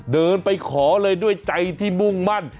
เดินไปขอเลยด้วยใจที่มุ่งมั่น